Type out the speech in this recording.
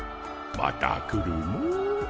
また来るモ。